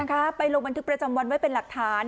ค่ะไปลงบันทึกประจำวันไว้เป็นหลักฐาน